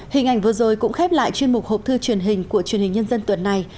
hình ảnh vừa rồi cũng khép lại chuyên mục hộp thư truyền hình của truyền hình nhân dân tuần này